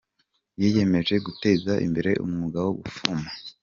yiyemeje guteza imbere umwuga wo gufuma